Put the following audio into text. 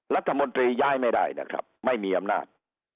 รัฐมนตรีย้ายไม่ได้นะครับไม่มีอำนาจ